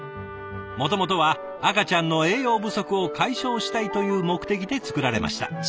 もともとは赤ちゃんの栄養不足を解消したいという目的で作られました。